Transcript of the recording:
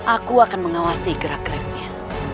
aku akan mengawasi gerak geraknya